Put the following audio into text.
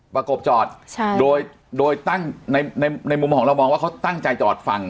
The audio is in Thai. ประกบจอดใช่โดยโดยตั้งในในมุมของเรามองว่าเขาตั้งใจจอดฝั่ง